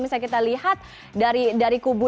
misalnya kita lihat dari kubu